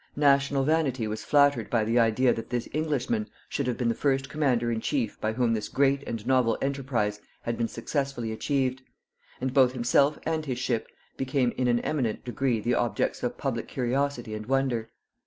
National vanity was flattered by the idea that this Englishman should have been the first commander in chief by whom this great and novel enterprise had been successfully achieved; and both himself and his ship became in an eminent degree the objects of public curiosity and wonder.